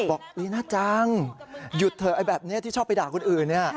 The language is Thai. บอกลีน่าจังหยุดเถอะไอ้แบบนี้ที่ชอบไปด่าคนอื่นเนี่ย